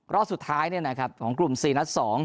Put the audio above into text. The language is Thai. รอบสุดท้ายของกลุ่ม๔นัด๒